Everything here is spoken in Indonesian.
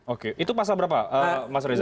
oke itu pasal berapa mas reza